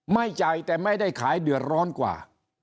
ไม่จ่ายแต่ไม่ได้ขายเดือดร้อนกว่า